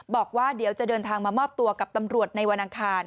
บอกว่าเดี๋ยวจะเดินทางมามอบตัวกับตำรวจในวันอังคาร